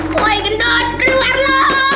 woi gendut keluar lo